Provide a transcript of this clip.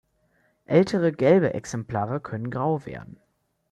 Ältere gelbe Exemplare können grau werden.